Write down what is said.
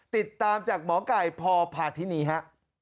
ติดตามจากหมอไก่พพาธินีฮะ